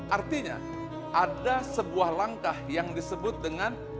artinya ada sebuah langkah yang disebut dengan